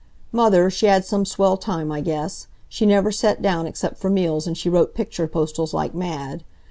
Mother, she had some swell time I guess. She never set down except for meals, and she wrote picture postals like mad.